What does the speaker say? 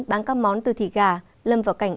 bán các món từ thịt gà lâm vào cảnh